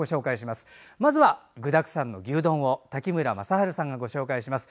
まずは具だくさんの牛丼を滝村雅晴さんがご紹介します。